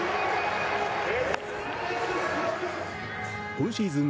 今シーズン